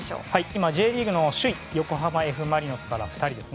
今、Ｊリーグの首位横浜Ｆ・マリノスから２人です。